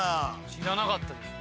「知らなかったです」